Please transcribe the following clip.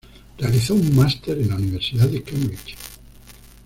Realizó un Máster en la Universidad de Cambridge.